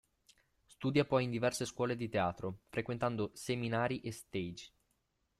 Studia poi in diverse scuole di teatro, frequentando seminari e stage.